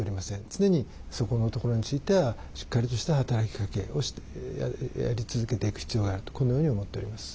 常に、そこのところについてはしっかりとした働きかけをやり続けていく必要があるとこのように思っております。